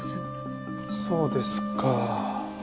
そうですか。